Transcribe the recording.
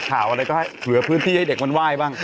ข่าวอะไรก็ให้เหลือพื้นที่ให้เด็กมันไหว้บ้าง